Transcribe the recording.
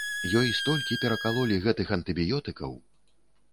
Ёй столькі перакалолі гэтых антыбіётыкаў!